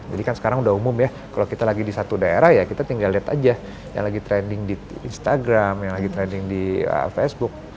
jadi kan sekarang udah umum ya kalau kita lagi di satu daerah ya kita tinggal lihat aja yang lagi trending di instagram yang lagi trending di facebook